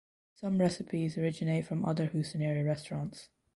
Some recipes originate from other Houston area restaurants.